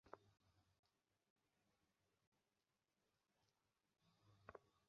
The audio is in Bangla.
তাঁদের বিরুদ্ধে নাশকতামূলক কর্মকাণ্ডের পরিকল্পনার অভিযোগে ঝিনাইগাতী থানায় সন্ত্রাসবিরোধী আইনে মামলা রয়েছে।